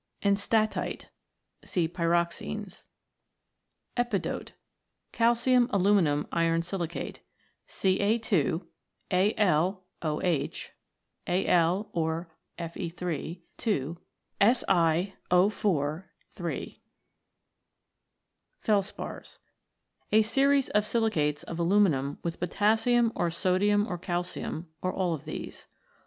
Enstatite. See Pyroxenes. Epidote. Calcium aluminium iron silicate, Ca 2 (A10H) (Al, Fe'")2 (Si0 4 ) 3 . Felspars. A series of silicates of aluminium with potassium or sodium or calcium, or all of these.